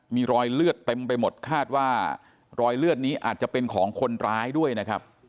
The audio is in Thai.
มีรอยเลือดเต็มไปหมดคาดว่ารอยเลือดนี้อาจจะเป็นของคนร้ายด้วยนะครับ